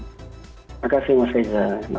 terima kasih mas faiza